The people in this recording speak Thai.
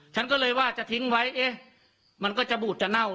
ฉันก็เลยว่าจะทิ้งไว้เอ๊ะมันก็จะบูดจะเน่า